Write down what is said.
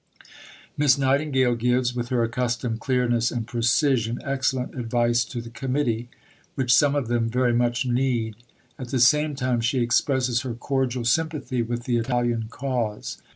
Miss Nightingale gives, with her accustomed clearness and precision, excellent advice to the Committee, which some of them very much need. At the same time she expresses her cordial sympathy with the Italian cause.